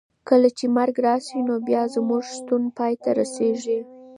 کله چې مرګ راشي نو بیا زموږ شتون پای ته رسېږي.